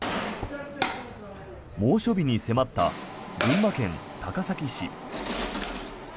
猛暑日に迫った群馬県高崎市。